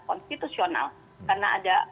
konstitusional karena ada